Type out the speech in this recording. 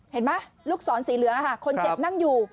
เห็นไหมลูกศรสีเหลืองค่ะคนเจ็บนั่งอยู่